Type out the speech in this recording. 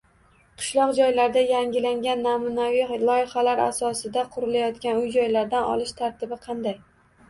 Qishloq joylarda yangilangan namunaviy loyihalar asosida qurilayotgan uy-joylardan olish tartibi qanday?